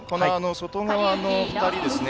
外側の２人ですね。